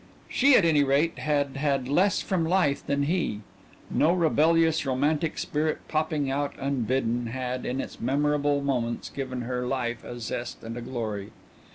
She, at any rate, had had less from life than he. No rebellious, romantic spirit popping out unbidden had, in its memorable moments, given her life a zest and a glory.